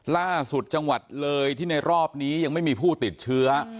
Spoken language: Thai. ล่าสุดจังหวัดเลยที่ในรอบนี้ยังไม่มีผู้ติดเชื้อ